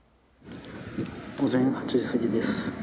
午前８時過ぎです。